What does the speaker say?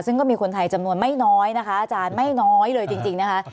ซึ่งก็มีคนไทยจำนวนไม่น้อยนะคะอาจารย์ไม่น้อยเลยจริงนะคะ